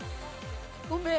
ごめん。